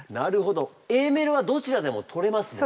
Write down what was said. Ａメロはどちらでもとれますもんね。